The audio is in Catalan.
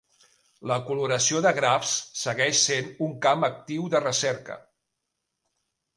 La coloració de grafs segueix sent un camp actiu de recerca.